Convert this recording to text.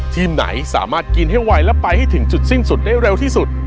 ทีมไหนสามารถกินให้ไวและไปให้ถึงจุดสิ้นสุดได้เร็วที่สุด